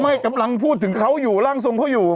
กำลังพูดถึงเขาอยู่ร่างทรงเขาอยู่